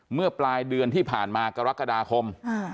เมื่อปลายเดือนที่ผ่านมากรกฎาคม